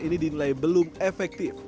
ini dinilai belum efektif